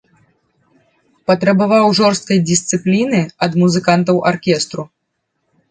Патрабаваў жорсткай дысцыпліны ад музыкантаў аркестру.